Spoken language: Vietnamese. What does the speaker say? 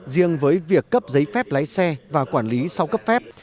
riêng với việc cấp giấy phép lái xe và quản lý sau cấp phép